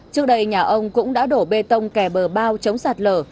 trước đây nhà ông cũng đã đổ bê tông kè bờ bao chống sạt lở